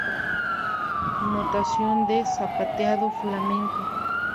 Notación de zapateado flamenco